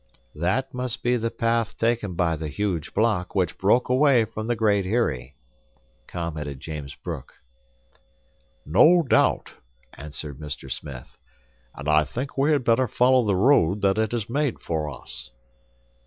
"That must be the path taken by the huge block which broke away from the Great Eyrie," commented James Bruck. "No doubt," answered Mr. Smith, "and I think we had better follow the road that it has made for us."